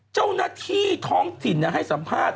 เจ้าหน้าที่ท้องถิ่นให้สัมภาษณ์